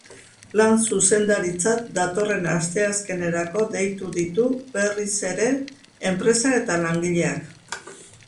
Lan zuzendaritzak datorren asteazkenerako deitu ditu berriz ere enpresa eta langileak.